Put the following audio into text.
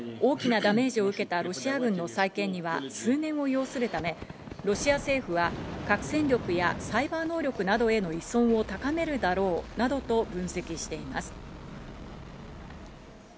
大きなダメージを受けたロシア軍の再建には数年を要するため、ロシア政府は核戦力やサイバー能力などへの依存を高めるだろうなどと分析しています。